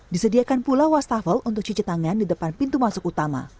disediakan pula wastafel untuk cuci tangan di depan pintu masuk utama